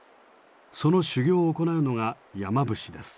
その修行を行うのが山伏です。